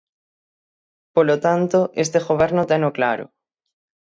Polo tanto, este goberno teno claro.